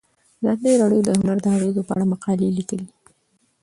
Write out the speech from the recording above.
ازادي راډیو د هنر د اغیزو په اړه مقالو لیکلي.